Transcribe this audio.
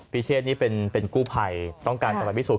เชษนี่เป็นกู้ภัยต้องการจะไปพิสูจน